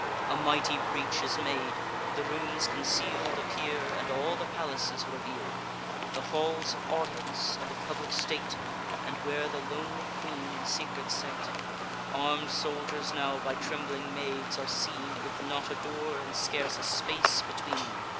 A mighty breach is made: the rooms conceal'd Appear, and all the palace is reveal'd; The halls of audience, and of public state, And where the lonely queen in secret sate. Arm'd soldiers now by trembling maids are seen, With not a door, and scarce a space, between.